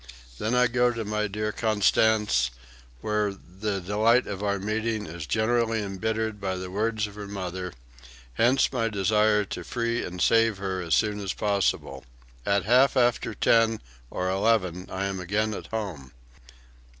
Then I go to my dear Constanze, where the delight of our meeting is generally embittered by the words of her mother; hence my desire to free and save her as soon as possible. At half after ten or eleven I am again at home.